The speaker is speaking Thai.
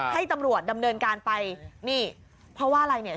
ให้ตำรวจดำเนินการไปนี่เพราะว่าอะไรเนี่ย